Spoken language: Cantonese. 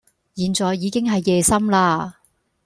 現在已經係夜深喇